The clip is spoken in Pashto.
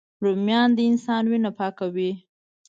رومیان د انسان وینه پاکوي